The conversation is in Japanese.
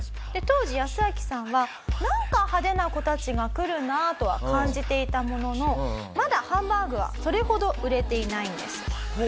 当時ヤスアキさんはなんか派手な子たちが来るなあとは感じていたもののまだハンバーグはそれほど売れていないんです。